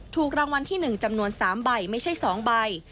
ถูกรางวัลที่๑จำนวน๓ใบไม่ใช่๒ใบ